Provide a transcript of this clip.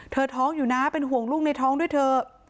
เธอท้องอยู่นะเป็นห่วงรุ่งในท้องด้วยเธอ